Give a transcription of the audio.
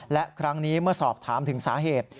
และครั้งนี้เมื่อสอบถามถึงสาเหตุ